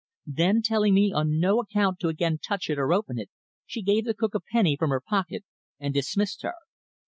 Then, telling me on no account to again touch it or open it, she gave the cook a penny from her pocket and dismissed her.